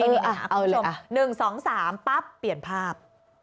เอาเลยนะคุณผู้ชม๑๒๓ปั๊บเปลี่ยนภาพ